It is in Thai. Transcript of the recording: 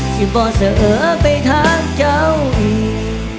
สิบ่เสอไปทักเจ้าอีก